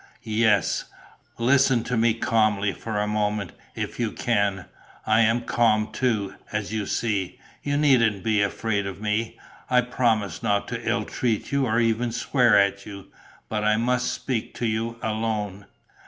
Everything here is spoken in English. "Yes. Listen to me calmly for a moment, if you can. I am calm too, as you see. You needn't be afraid of me. I promise not to ill treat you or even to swear at you. But I must speak to you, alone.